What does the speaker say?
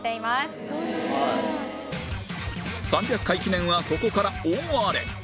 ３００回記念はここから大荒れ